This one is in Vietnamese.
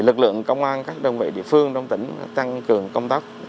lực lượng công an các đơn vị địa phương trong tỉnh tăng cường công tác